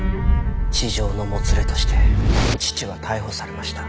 痴情のもつれとして父は逮捕されました。